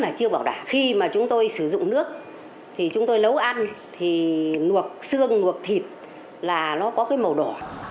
chắc là chưa bảo đảm khi mà chúng tôi sử dụng nước thì chúng tôi nấu ăn thì nguộc xương nguộc thịt là nó có cái màu đỏ